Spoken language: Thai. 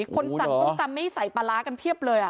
คนสั่งส้มตำไม่ใส่ปลาร้ากันเพียบเลย